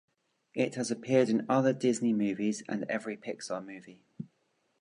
It has appeared in other Disney movies and every Pixar movie.